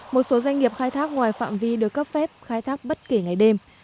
một số doanh nghiệp khai thác ngoài phạm vi được cấp phép khai thác bất kể ngày đêm